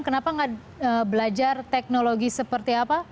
kenapa nggak belajar teknologi seperti apa